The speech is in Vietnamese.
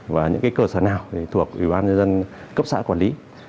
và những cơ sở nào thuộc ủy ban dân dân cấp xã quản lý